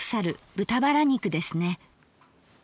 豚バラ肉ですね。